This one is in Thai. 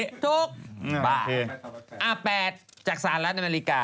อันดับ๘จากสหรัฐอเมริกา